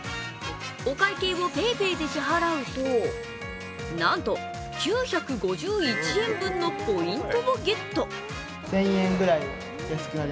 お会計をＰａｙＰａｙで支払うと、なんと９５１円分のポイントをゲット。